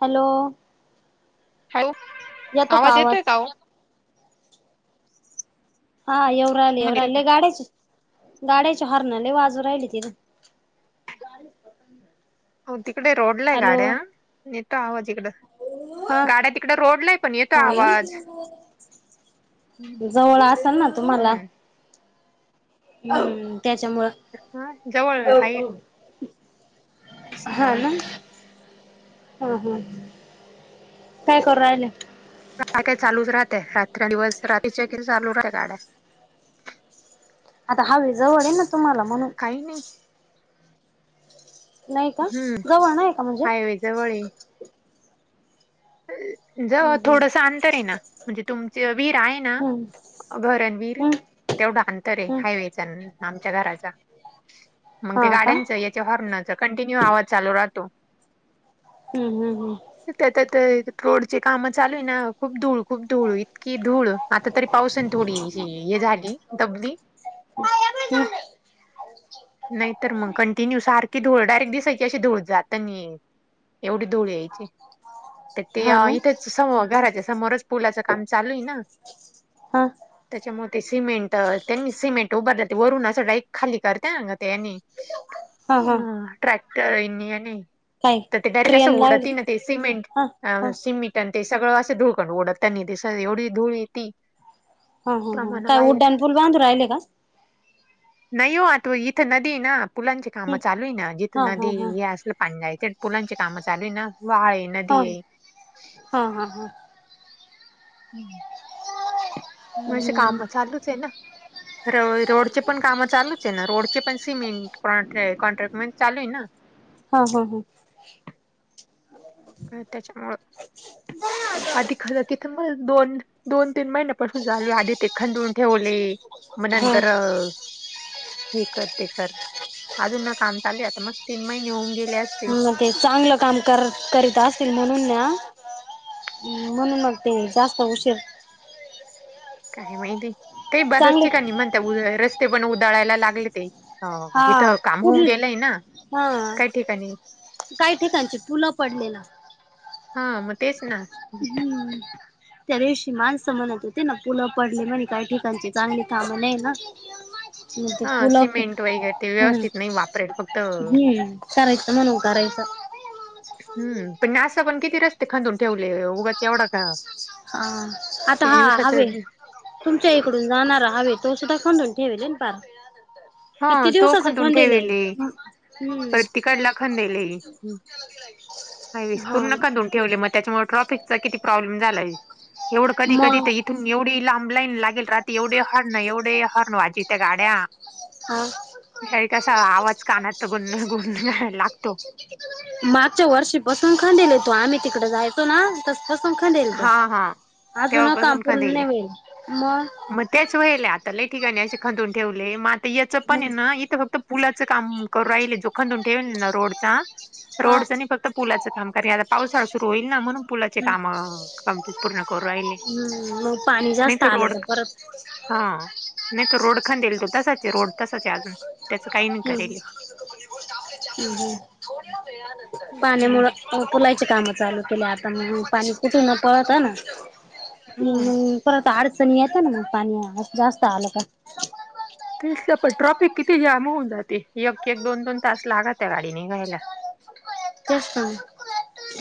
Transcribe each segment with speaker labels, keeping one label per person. Speaker 1: Hello.
Speaker 2: Hello, आवाज येतोय का ओ?
Speaker 1: हा येऊ रहिलेय येऊ
Speaker 2: तुम्हाला येतोय का?
Speaker 1: राहिलेय गाड्याचे गाड्याचे हॉर्न लय वाजू राहिलेते [inaudible]
Speaker 2: हो तिकडे रोडला आहे
Speaker 1: हॅलो
Speaker 2: गाड्या येतो आवाज इकडं
Speaker 1: हा
Speaker 2: गाड्या तिकड रोडला आहे पण येतो
Speaker 1: हा ना
Speaker 2: आवाज
Speaker 1: जवळ असेल ना तुम्हाला
Speaker 2: हम्म
Speaker 1: हम्म त्याच्यामुळं.
Speaker 2: हा जवळ
Speaker 1: अह
Speaker 2: हाय
Speaker 1: अह हा ना.
Speaker 2: काय
Speaker 1: हा हा हा काय करू राहिलेय.
Speaker 2: काय काय चालूच राहते रात्र दिवस, रात्रीच्या वगैरे चालू रहाय गाड्या
Speaker 1: आता हायवे जवळ आहेल ना तुम्हाला म्हणून
Speaker 2: काही नाही.
Speaker 1: नाही का
Speaker 2: हम्म
Speaker 1: जवळ नाही का म्हणजे
Speaker 2: हायवे जवळ आहे. जवळ
Speaker 1: हम्म
Speaker 2: थोडस अंतर आहे ना म्हणजे तुमचे विहीर आहे ना
Speaker 1: हम्म
Speaker 2: घर अन
Speaker 1: हम्म हम्म
Speaker 2: विहीर अंतर आहे
Speaker 1: हम्म
Speaker 2: हायवेचा आमच्या घराचा मग ते
Speaker 1: हा का
Speaker 2: गाड्यांच याच्या हॉर्नच कंटिन्यू आवाज चालू राहतो.
Speaker 1: हम्म हम्म हम्म.
Speaker 2: तेे त ते रोडची कामं चालू आहे ना खूप धूळ खूप धूळ इतकी धूळ आता तरी पावसन थोडी हे हे झाली दडब्दि
Speaker 1: [inaudible]
Speaker 2: नाही तर मग कंटिन्यू सारखी धूळ डायरेक्ट दिसायची अशी धूळ जातानी एवढी धूळ यायची तर ते
Speaker 1: हा ना
Speaker 2: इथेच समो घराच्या समोरच पुलाचं काम चालू आहे ना
Speaker 1: हा.
Speaker 2: त्याच्यामुळे ते सिमेंट त्यांनी सिमेंट उभारलं वरून असं डायरेक्ट खाली करते ना त्यांनी
Speaker 1: हा
Speaker 2: [inaudible]
Speaker 1: हा
Speaker 2: ह ट्रॅक्टर यानी,
Speaker 1: काय
Speaker 2: तर ते डायरेक्ट असं
Speaker 1: क्रियान लागली
Speaker 2: उडते ना ते सिमेंट
Speaker 1: हा
Speaker 2: अ
Speaker 1: हा
Speaker 2: सिमिट आणि ते सगळं असं धूळकण उडतांनी दीस एवढी धुळ येती
Speaker 1: हम्म हम्म हम्म
Speaker 2: प्रमाण
Speaker 1: काय
Speaker 2: बाहेर
Speaker 1: उड्डाण पूल बांधू राहिले का?
Speaker 2: नाही हो आता इथं नदी ना पुलांची काम
Speaker 1: हम्म
Speaker 2: चालू आहे ना
Speaker 1: हा
Speaker 2: जिथं
Speaker 1: हा
Speaker 2: नदी
Speaker 1: हा
Speaker 2: हे असलं [unintelligible] इथे पुलांची कामं चालू आहे ना वाळ आहे नदी
Speaker 1: हा
Speaker 2: आहे
Speaker 1: हा हा हा.
Speaker 2: हम्म. म
Speaker 1: हम्म
Speaker 2: काम चालूच आहे ना रो रोडचे पण काम चालूच आहे ना रोड ची पण सीमेंट कॉन्ट्र कॉन्ट्रॅक म्हण चालू आहे ना
Speaker 1: हा हा हा.
Speaker 2: आणि त्याच्यामूळ पाठी [unintelligible] मग दोन दोन तीन महिन्यापासून चालू आधी ते खंडून ठेवले मग
Speaker 1: हा
Speaker 2: नंतर अह हे कर ते कर अजून ना काम चालू आहे मस् तीन महिने होऊन गेले असतील
Speaker 1: ह ते चांगलं काम कर करीत असतील म्हणून न. ह् म्हण मगते जास्त उशीर
Speaker 2: काय माहिती काही बधच
Speaker 1: चांगले
Speaker 2: ठिकाणी म्हणता रस्ते पण उधाळायला लागले ते ह
Speaker 1: हा
Speaker 2: जिथं काम
Speaker 1: कुठ
Speaker 2: होऊन गेलंय ना
Speaker 1: हा
Speaker 2: काही ठिकाणी
Speaker 1: काही ठिकाणची पुलं पडलेला.
Speaker 2: हा मग तेच ना.
Speaker 1: हम्म. त्या दिवशी माणसं म्हणत होते ना पुलं पडली म्हणे काही ठिकाणची चांगली थांब नाही ना. ते
Speaker 2: हा
Speaker 1: फुलं
Speaker 2: सिमेंट वगैरे ते
Speaker 1: हम्
Speaker 2: व्यवस्थित नाही वापरेल फक्त
Speaker 1: हम्म करायच म्हणून करायचं. [unintelligible]
Speaker 2: हम् पण ना पण किती रस्ते खांदून ठेवले उगाच एवढा का?
Speaker 1: हा आता
Speaker 2: किती
Speaker 1: हा
Speaker 2: दिवसाच
Speaker 1: हवे तुमच्या इकडून जाणारा हव. तो सुद्धा खडून ठेवल पार.
Speaker 2: हा
Speaker 1: किती
Speaker 2: तो
Speaker 1: दिवसाचं
Speaker 2: खंदून
Speaker 1: थंडलंय
Speaker 2: ठेवेले
Speaker 1: हम्म.
Speaker 2: परत तिकडला हवीस
Speaker 1: हा
Speaker 2: पूर्ण कधून ठेवले मग त्याच्यामुळे ट्राफिकचा किती प्रॉब्लेम झालाय एवढं कधी कधी
Speaker 1: मग
Speaker 2: तर तथून एवढी लांब लाईन लागेल रात एवढे हॉर्ण एवढे हॉर्न वाजी त्या गाड्या
Speaker 1: हा.
Speaker 2: री कसा आवाज कानाचा ग गण लागतो.
Speaker 1: मागच्या वर्षीपासून खादलाेतो आम्ही तिकडे जायचो ना तस. संखईल त
Speaker 2: हा हा
Speaker 1: अजून काम
Speaker 2: तेव्हापासून
Speaker 1: पूर्ण नाही
Speaker 2: खंदीले
Speaker 1: मिळेल मग
Speaker 2: मग तेच व्हाल आता ल ठिकाणी असे खंतून ठेवले मग आता याचं पण आहे
Speaker 1: मग
Speaker 2: ना इथं फक्त पुलाचं काम करू राहिले जोखंून ठेवले ना रोडचा
Speaker 1: हा
Speaker 2: रोडच नाही फक्त पुलाचं काम कर आता पावसाळा सुरू होईल ना म्हणून पुलाचे
Speaker 1: हम्म
Speaker 2: काम. कमप्ली पूर्ण करू राहिले
Speaker 1: हम्म मग पाणी
Speaker 2: नाही
Speaker 1: जास्त
Speaker 2: तर
Speaker 1: आलं
Speaker 2: रोड
Speaker 1: परत
Speaker 2: हा नाही तर रोड खाेल तो तसाच आहे रोड तसाच आहे अजून त्याचं काही नाही करेल
Speaker 1: ह पाने मुळा पुलाची कामं चालू केल्या आता मग पाणी कटून पळत आहे ना.
Speaker 2: हम्म
Speaker 1: परत अडचणी येतं ना मग पाणी जास्त आलं का?
Speaker 2: सलं पण ट्रॅफिक किती जाम होऊन जाते एक एक दोन दोन तास लागत त्या गाडी निघायला.
Speaker 1: ते हम.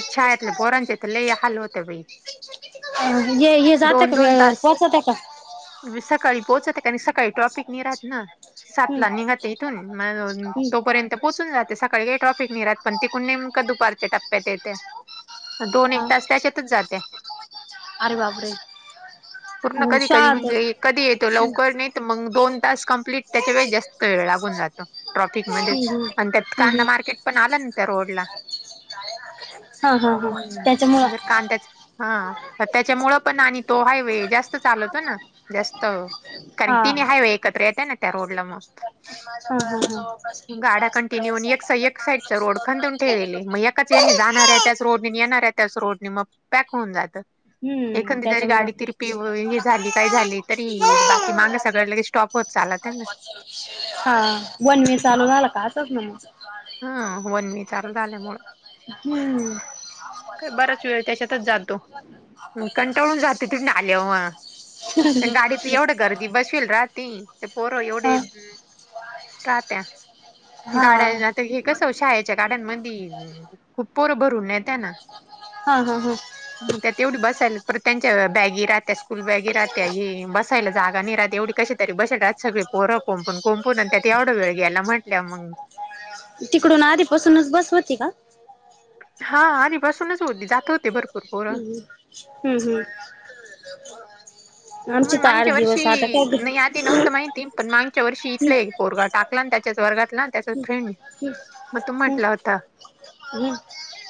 Speaker 2: चछाले बोरनचे ल हल होते भई.
Speaker 1: जात का व पोचात का?
Speaker 2: ु् सकाळी पोहोचत कार सकाळी ट्रॉपिक नि राहात ना. सात
Speaker 1: हम्म
Speaker 2: ला निघात इथून म तोपर्यंत पोहचून जाते सकाळी काही ट्राफिक निरा पण तिकून नेमका दुपारच्या टप्े दोन
Speaker 1: हा.
Speaker 2: एक तास त्याच्यातच जाते.
Speaker 1: अरे बापरे.
Speaker 2: पूर्ण
Speaker 1: हम्म
Speaker 2: कधी कधी
Speaker 1: शाळा तर
Speaker 2: म्हणजे कधी येतो लवकर नाही तर मग दोन तास कंप्लीट त्याच्या वे जास्त वेळ लागून जातो
Speaker 1: हम्म हम्म
Speaker 2: ट्रॉफिकमध्येध्ये आणि त्यात कांदा
Speaker 1: हम्म.
Speaker 2: मार्केट पण आला ना त्या रोडला
Speaker 1: हा हा हा
Speaker 2: म
Speaker 1: त्याच्यामुळं
Speaker 2: काण त्या हा तर त्याच्यामुळं पण आणि तो हायवे जास्त चालवतो ना. जास्त कारण तिन्ही हायवे एकत्र येत आहे ना त्या रोडला मग
Speaker 1: ह. हा हा माझ जवळपास एक
Speaker 2: गाड्या
Speaker 1: तास
Speaker 2: कंटिन्यू
Speaker 1: प्रवास
Speaker 2: एक
Speaker 1: झाला
Speaker 2: सा-
Speaker 1: तर माझं लक्ष नव्हतं आणि [unintelligible]
Speaker 2: ते मी जाणार आहे त्याच रोडनी येणार आहे त्याच रोडनी मग पॅक होऊन जातं.
Speaker 1: [unintelligible]
Speaker 2: एखंद जरी गाडी
Speaker 1: त्याच्यामुळं
Speaker 2: तिरपी हे झाली काय झाली तरी बाकी मांग सगळ्या लगेच स्टॉप होत चालात हे ना.
Speaker 1: हा वन मे चालू झालं का असंच ना मग.
Speaker 2: हा वन विचार झाल्यामुळं. काय बराच वेळ त्याच्यातच
Speaker 1: [unintelligible]
Speaker 2: जातो कंटाळून
Speaker 1: [inaudible]
Speaker 2: पण गाडीत एवढं गर्दी बसविल राहतील. ते पोर एवढे
Speaker 1: हा
Speaker 2: हम्म का त्या गाड्या
Speaker 1: हा
Speaker 2: येतात. ते, हे, कसं शाळेच्या गाड्यांमधी हम्म खूप पोरं भरून नेता ना.
Speaker 1: हा, हा, हा
Speaker 2: मग त्यात एवढी बसायला, तर त्यांच्या बॅगी राहत्या स्कूल बॅगी राहत त्या ही बसायला जागा नाही राहती. एवढी कशी तरी बसतात. सगळी पोरं कोंपून, कोंपून आणि त्यात एवढं वेळ गेला म्हणे. [unintelligible]
Speaker 1: तिकडून आधीपासूनच बस होती का.
Speaker 2: हा आधी पासूनच होती जात होते. भर
Speaker 1: हम्म हम्म हम्म हम्म, आमची
Speaker 2: मग
Speaker 1: तर
Speaker 2: मागच्या
Speaker 1: आठ दिवस आता
Speaker 2: वर्षी
Speaker 1: काय ग
Speaker 2: नाही. आधी नव्हत माहिती पण मागच्या वर्षी इथलं
Speaker 1: हम्म
Speaker 2: हे बोरघाट. टाकला ना, त्याच्याच वर्गातला त्याचाच फ्रेंड
Speaker 1: हम्म
Speaker 2: मग तो
Speaker 1: हम्म
Speaker 2: म्हटला होता.
Speaker 1: [inaudible]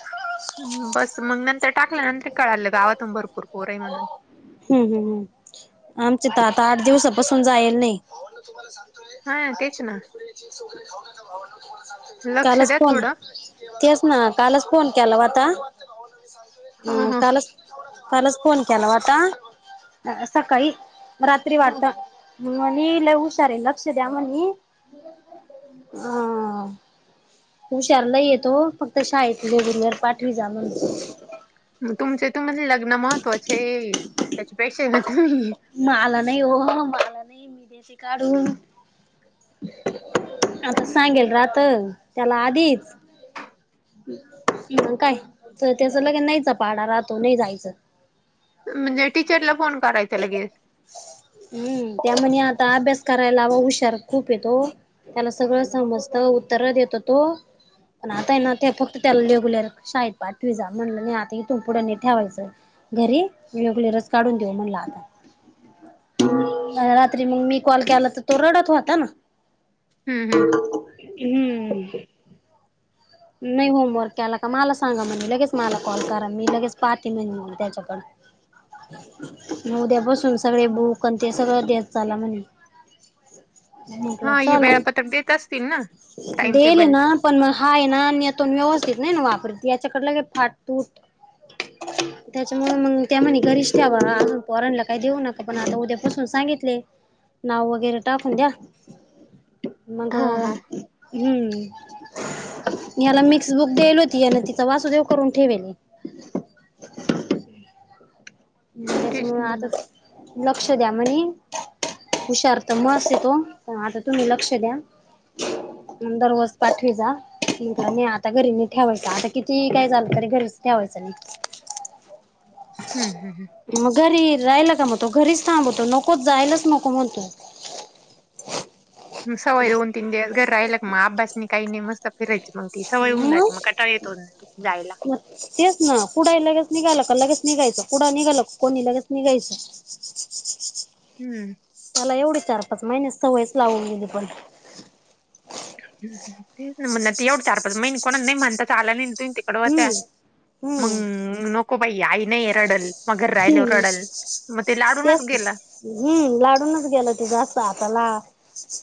Speaker 2: हम्म, बस मग नंतर टाकल्यानंतर कळालं गावातून भरपूर पोर आहे म्हणून
Speaker 1: हम्म हम्म हम्म, आमचे दादा आठ दिवसापासून जायला नाही.
Speaker 2: हा तेच ना. लक्ष
Speaker 1: त्यालाच
Speaker 2: द्या
Speaker 1: फोन
Speaker 2: थोडं
Speaker 1: तेच ना, कालच फोन केला व्हता
Speaker 2: ह
Speaker 1: हां
Speaker 2: ह
Speaker 1: कालच त्यालाच फोन केला होता. सकाळी, रात्री
Speaker 2: ह
Speaker 1: वाटत. म्हणी लय हुशार आहे. लक्ष द्या म्हणली हा [unintelligible]
Speaker 2: मग तुमचं तुम्हाला लग्न महत्त्वाचे आहे. त्याच्यापेक्षा
Speaker 1: मला नाही. हो, मला नाही. मी देते काढून, आता सांगेल राहतं. त्याला आधीच काय तर, त्याच लगेन नाहीचा पाडा राहतो नाही जायचं.
Speaker 2: म्हणजे टीचरला फोन करायचा लगेच.
Speaker 1: हम्म त्या म्हणे, आता अभ्यास कराय लावा हुशार खूप हे तो त्याला सगळं समजत उत्तर देतो तो, पण आता हाय ना ते फक्त त्याला रेगुलर शाळेत पाठवी जा म्हणलं, नई आता इथून पुढं नाही ठेवायचं. घरी, रेगुलरच काढून देऊ म्हणलं आता. रात्री मग मी कॉल केला तर तो रडत होता ना.
Speaker 2: हम्म हम्म
Speaker 1: हम्म नाही होमवर्क केला का मला सांगा म्हणे लगेच मला कॉल करा मी लगेच पाहते म्हणलं मी त्याच्याकडं. [inaudible] म उद्या पासून सगळे बूक अन् ते सगळं देत चला म्हण
Speaker 2: हा हे
Speaker 1: चाला ना,
Speaker 2: वेळापत्रक देत असतील ना टाइम
Speaker 1: देली
Speaker 2: टेबल
Speaker 1: ना पण मग हाई त. ना नेतो व्यवस्थित नाही ना वापरत याच्याकड न लगेच फाट तूट. त्याच्यामुळं मंग त्या म्हणे घरीच ठेवा हा, पोरांन ला काय देऊ नका पण आता उद्या पासून सांगितले नाव वगैरे टाकून द्या. मग,
Speaker 2: हा हा
Speaker 1: हम्म. याला मिक्स बुक केलो ती, अन तिचा वासूदेव करून ठेवेल.
Speaker 2: तेच
Speaker 1: त्याच्यामुळं
Speaker 2: ना मग
Speaker 1: आताच लक्ष द्या म्हणी. हुशार तर मस्त येतो, पण आता तुम्ही लक्ष द्या. हम्म, दरवाज पाठी जा. का नाही आता घरी नाही ठेवायच, आता किती काय झालं तरी घरीच ठेवायचं नाही.
Speaker 2: हम् हम हम.
Speaker 1: मग घरी राहिला का मग तो घरीच थांबतो, नकोच जायलाच नको म्हण तो.
Speaker 2: सवय ऊण तन दे घर रायलक मा अबासनी क काय नाही मस्त त फिरायची मग ती, सवय होऊन जाते मग कंटाळा येतो जायला.
Speaker 1: मग तेच ना क पुढाही लगेच निघाललं का लगेच निघायचं कुढा निघाल कोणी लगेच निघायचं. [unintelligible]
Speaker 2: हम्म.
Speaker 1: मला एवढी चारपच माहिनस सवयच लावून गेली पण
Speaker 2: ते म्ह ते एवढं चार पा महि कोणा नाही म्हणता चाला नाही. त तिकड होत्या
Speaker 1: हम्म हम्म
Speaker 2: मग नको बाई आई नाहीरडल मगर राहिल्यावर
Speaker 1: हम्म
Speaker 2: रडल मग ते लाडूनच गेला.
Speaker 1: तेच हम्म लागूनच गेलं ते जास्त हाताला.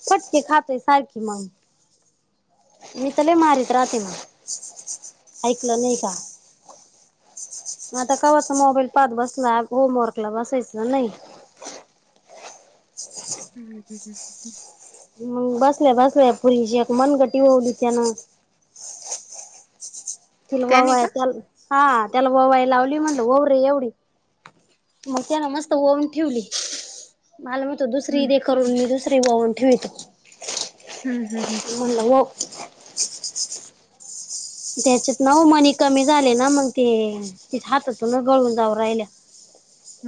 Speaker 1: फटके खातय सारखी मग. मी तले मारीत राहते मग ऐकलं नाही का? आता कव्हाचा मोबाईल पाहत बसला होमवर्क ला बसायच नाही. अ्.
Speaker 2: हम् हम ह हम.
Speaker 1: मंग बसल्या बसल्या पुरीशी मनगटी होवली त्यान तिला
Speaker 2: त्यानी
Speaker 1: ववाय
Speaker 2: का
Speaker 1: त्याला हा त्याला ववाय लावली म्हणत वरे एवढी मग त्या ना मस्त वऊन ठेवली. मला मतो दुसरी देे करून मी दुसरी वावून ठेवतो.
Speaker 2: हम् हम् हम.
Speaker 1: म्हणलं वो. [unintelligible] त्याच्यात नऊ मनी कमी झाले ना मग ते ति हातातूनच गळून जाऊ राहिल्या.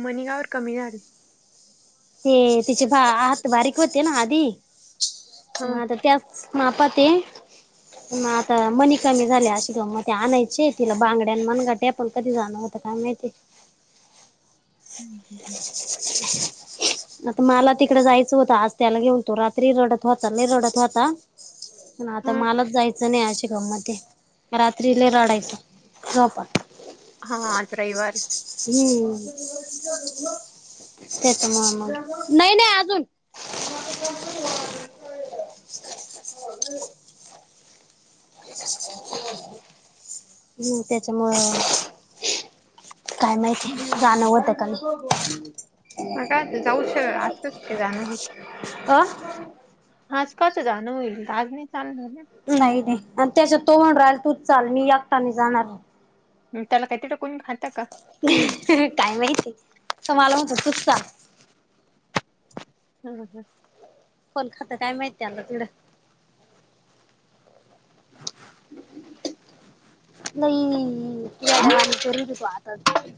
Speaker 2: मनीगावर कमी झाली.
Speaker 1: ते तिचे भा आत बारीक होते ना आधी मग
Speaker 2: हा.
Speaker 1: आता त्या मापा ते मग आता मनी कमी झाल्या अशी त म ते आणायचे तिला बांगड्यां मगा टेप पण कधी जाणं होतं काय माहिती [unintelligible] आता मला तिकडे जायचं होतं आज त्याला घेऊन तो रात्री रडत होता नाही रडत होता. पण आता
Speaker 2: हा
Speaker 1: मलाच जायचं नाही अशि गम म ते रात्रीला रडायचं झोप.
Speaker 2: हा आज् रविवार आहे.
Speaker 1: हम्म ते तर मग म नाही नाही अजून ह. हो. हम् त्याच्यामुळे काय
Speaker 2: हम्म.
Speaker 1: माहिती गाणं होतं क नाही.
Speaker 2: म काय जाऊ आज कस क जाण हो.
Speaker 1: अ
Speaker 2: हजकाच जाणं होईल आज नाही चाललं ना.
Speaker 1: नाही नाही आणि त्याच्या तो म्हण राहिल तूच चाल मी एकटाने जाणार.
Speaker 2: त्याला काही त टेकून खातं का?
Speaker 1: काय माहित तुम्हाला उग सुचतात.
Speaker 2: हम हम.
Speaker 1: फोल खात काय माहिती आहे आलं तडं. [unintelligible] नाहीतरी आत